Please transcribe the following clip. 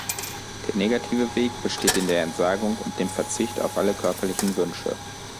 Der negative Weg besteht in der Entsagung und dem Verzicht auf alle körperlichen Wünsche.